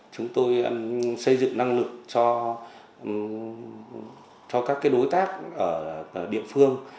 chúng tôi xây dựng năng lực cho các đối tác ở địa phương